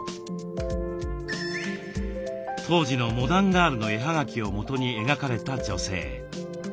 当時の「モダンガール」の絵葉書をもとに描かれた女性。